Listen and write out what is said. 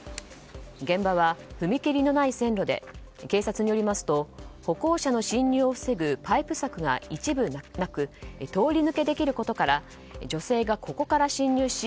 現場は踏切のない線路で警察によりますと歩行者の侵入を防ぐパイプ柵が一部なく通り抜けできることから女性が、ここから侵入し